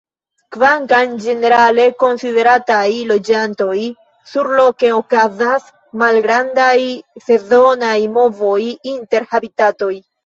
Kvankam ĝenerale konsiderataj loĝantoj, surloke okazas malgrandaj sezonaj movoj inter habitatoj.